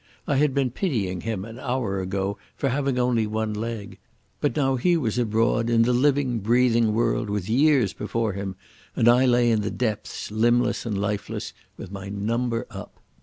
I had been pitying him an hour ago for having only one leg, but now he was abroad in the living, breathing world with years before him, and I lay in the depths, limbless and lifeless, with my number up.